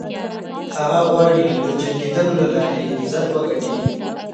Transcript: هغه غواړي له جنګېدلو له لارې عزت وګټي.